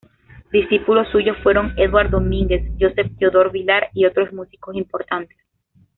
Discípulos suyos fueron Eduard Domínguez, Josep Teodor Vilar y otros músicos importantes.